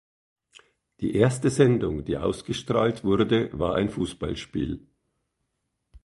Die erste Sendung, die ausgestrahlt wurde, war ein Fußballspiel.